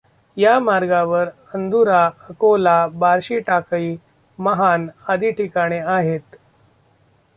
या मार्गावर अंदुरा, अकोला, बार्शीटाकळी, महान आदी ठिकाणे आहेत.